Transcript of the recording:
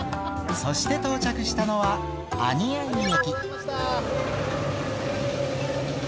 そして到着したのは、阿仁合駅。